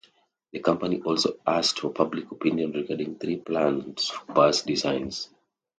The company also asked for public opinion regarding three plans for bus designs.